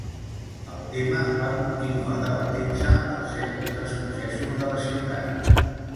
El tema va continuar debatent-se als cercles escocesos de la ciutat.